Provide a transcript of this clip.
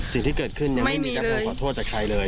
สิ่งที่เกิดขึ้นยังไม่มีการโทรขอโทษจากใครเลย